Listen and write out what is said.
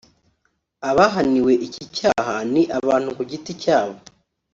Abahaniwe iki cyaha ni abantu ku giti cyabo